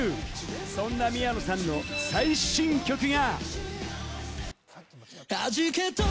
そんな宮野さんの最新曲が。